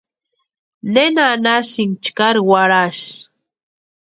¿Nena anhasïnki chkari warhasï?